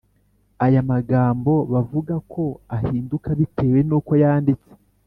Aya magambo bavuga ko ahinduka bitewe n’uko yanditse